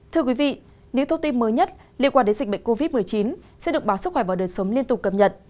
thưa quý vị nếu thông tin mới nhất liên quan đến dịch bệnh covid một mươi chín sẽ được báo sức khỏe và đời sống liên tục cập nhật